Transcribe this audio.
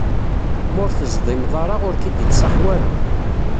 Ma ur teẓdimeḍ ara, ur k-id-ittṣaḥ wara.